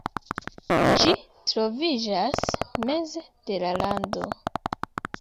Ĝi troviĝas meze de la lando.